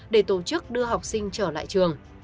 để tổ chức đưa học sinh trở lại trường